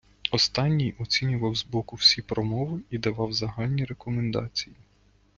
Останній оцінював з боку всі промови і давав загальні рекомендації.